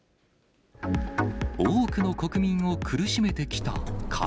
多くの国民を苦しめてきた花